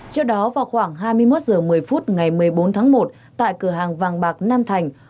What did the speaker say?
trước đó vào khoảng hai mươi một h một mươi phút ngày một mươi bốn tháng một tại cửa hàng vàng bạc nam thành